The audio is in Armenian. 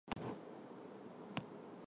Ջիհանին մասնակցում է կայացած երկու խաղերին։